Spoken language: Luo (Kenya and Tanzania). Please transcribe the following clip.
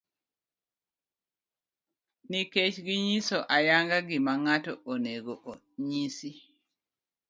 nikech ginyiso ayanga gima ng'ato onego nyisi.